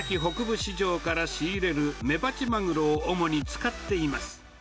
市場から仕入れるメバチマグロを主に使っています。